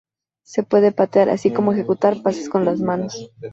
Se puede patear, así como ejecutar pases con las manos.